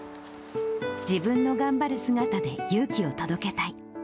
自分の頑張る姿で勇気を届けたい。